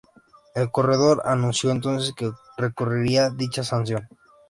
El corredor anunció entonces que recurriría dicha sanción.